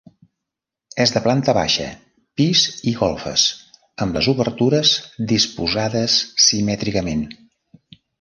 És de planta baixa, pis i golfes, amb les obertures disposades simètricament.